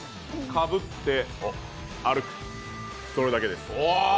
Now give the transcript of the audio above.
かぶって歩く、それだけです。